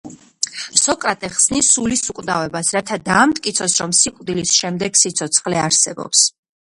სოკრატე ხსნის სულის უკვდავებას, რათა დაამტკიცოს, რომ სიკვდილის შემდეგ სიცოცხლე არსებობს.